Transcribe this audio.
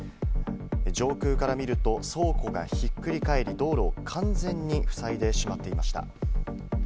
上空から見ると、倉庫がひっくり返り、道路を完全に塞いでしまっていました。